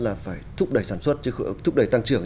là phải thúc đẩy sản xuất thúc đẩy tăng trưởng